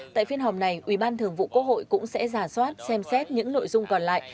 tại phiên họp này ủy ban thường vụ quốc hội cũng sẽ giả soát xem xét những nội dung còn lại